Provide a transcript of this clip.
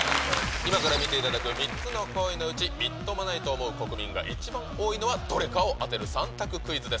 今から見ていただく３つの行為のうち、みっともないと思う国民が一番多いのはどれかを当てる３択クイズです。